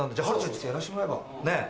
ちょっとやらしてもらえば？